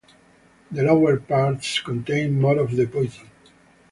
The lower parts contain more of the poison.